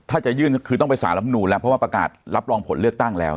ถ้าจะยื่นก็คือต้องไปสารรับนูนแล้วเพราะว่าประกาศรับรองผลเลือกตั้งแล้ว